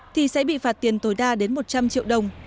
thì sẽ bị phạt tiền tối đa đến một trăm linh triệu đồng